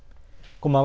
こんばんは。